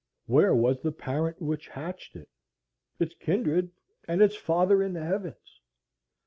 Where was the parent which hatched it, its kindred, and its father in the heavens?